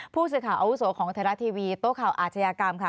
ผู้สื่อข่าวอาวุโสของไทยรัฐทีวีโต๊ะข่าวอาชญากรรมค่ะ